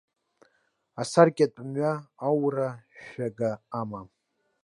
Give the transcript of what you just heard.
Асаркьатә мҩа, аура шәага амам.